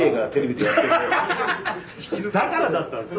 だからだったんですか。